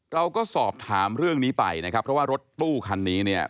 เราก็สอบถามเรื่องนี้ไปนะครับเพราะว่ารถตู้คันนี้เนี่ย